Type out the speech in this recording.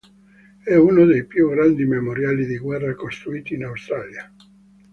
È uno dei più grandi memoriali di guerra costruiti in Australia.